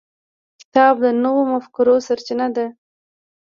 کتاب د نوو مفکورو سرچینه ده.